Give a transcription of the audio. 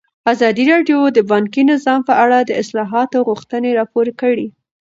ازادي راډیو د بانکي نظام په اړه د اصلاحاتو غوښتنې راپور کړې.